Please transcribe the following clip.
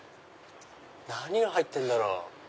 何が入ってんだろう？